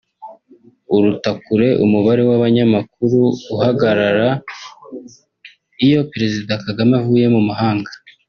uruta kure umubare w’abanyamakuru uhagaragara iyo Président Kagame avuye mu mahanga